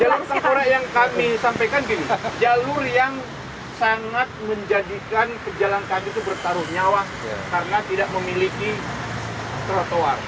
jalur tengkorak yang kami sampaikan gini jalur yang sangat menjadikan kejalan kami itu bertaruh nyawa karena tidak memiliki trotoar